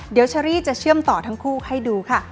เดี๋ยวเชอรี่จะเชื่อมต่อทั้งคู่ให้ดูค่ะ